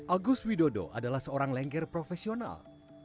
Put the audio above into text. agus widodo adalah seorang lengger profesional